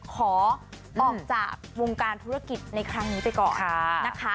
ขอออกจากวงการธุรกิจในครั้งนี้ไปก่อนนะคะ